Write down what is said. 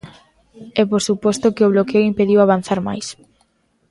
E por suposto que o bloqueo impediu avanzar máis.